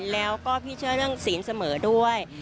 แล้วก็พี่เชื่อเรื่องศีลเสมอด้วย